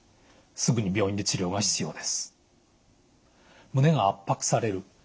すぐに病院で治療が必要です。